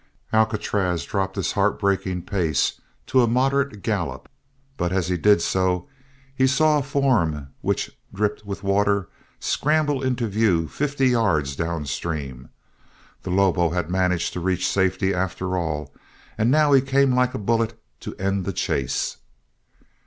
Alcatraz dropped his heart breaking pace to a moderate gallop, but as he did so he saw a form which dripped with water scramble into view fifty yards down stream the lobo had managed to reach safety after all and now he came like a bullet to end the chase.